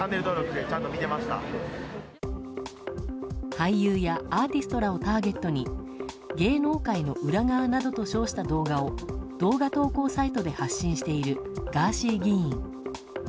俳優やアーティストらをターゲットに芸能界の裏側などと称した動画を動画投稿サイトで発信しているガーシー議員。